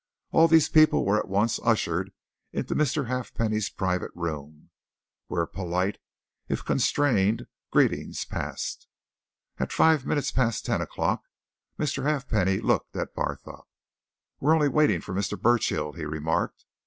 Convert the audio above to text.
All these people were at once ushered into Mr. Halfpenny's private room, where polite, if constrained, greetings passed. At five minutes past ten o'clock Mr. Halfpenny looked at Barthorpe. "We're only waiting for Mr. Burchill," he remarked.